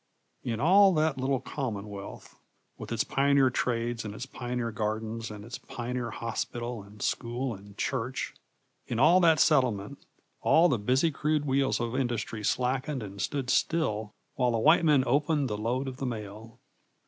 In all that little commonwealth, with its pioneer trades and its pioneer gardens and its pioneer hospital and school and church in all that settlement all the busy crude wheels of industry slackened and stood still while the white men opened the load of the mail.